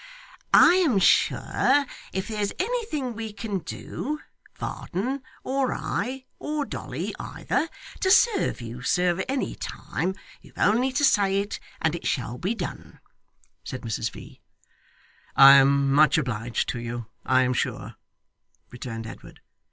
'I am sure if there's anything we can do, Varden, or I, or Dolly either, to serve you, sir, at any time, you have only to say it, and it shall be done,' said Mrs V. 'I am much obliged to you, I am sure,' returned Edward.